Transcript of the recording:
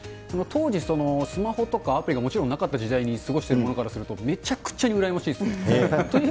当時、スマホとかアプリがもちろんなかった時代に過ごしてる者からすると、めちゃくちゃに羨ましいですね。